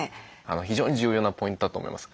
非常に重要なポイントだと思います。